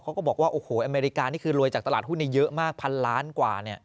ก็บอกว่าโอ้โหอเมริกานี่คือรวยจากตลาดหุ้นเยอะมากพันล้านกว่า